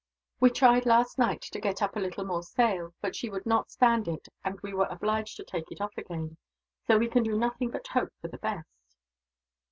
"We tried, last night, to get up a little more sail; but she would not stand it, and we were obliged to take it off again. So we can do nothing but hope for the best."